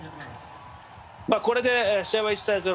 これで試合は１−０。